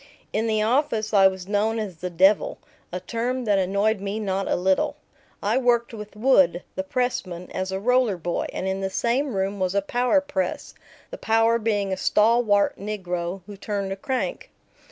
In the office I was known as the "devil," a term that annoyed me not a little. I worked with Wood, the pressman, as a roller boy, and in the same room was a power press, the power being a stalwart negro who turned a crank.